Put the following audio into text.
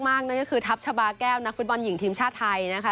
นั่นก็คือทัพชาบาแก้วนักฟุตบอลหญิงทีมชาติไทยนะคะ